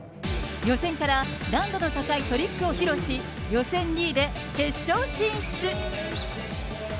予選から難度の高いトリックを披露し、予選２位で決勝進出。